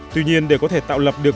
tuy nhiên để có thể tạo lập được